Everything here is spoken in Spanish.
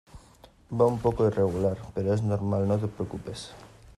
va un poco irregular, pero es normal. no te preocupes .